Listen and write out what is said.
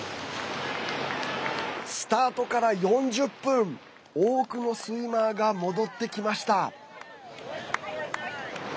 スタートから４０分多くのスイマーが戻ってきました。